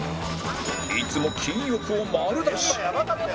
いつも金欲を丸出し